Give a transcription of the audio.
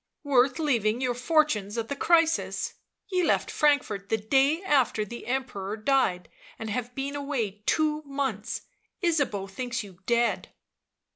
" Worth leaving your fortunes at the crisis ? Ye left Frankfort the day after the Emperor died, and have been away two months. Ysabeau thinks you dead."